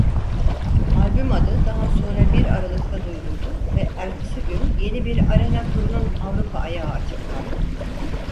Albüm adı daha sonra bir Aralık'ta duyuruldu ve ertesi gün yeni bir arena turunun Avrupa ayağı açıklandı.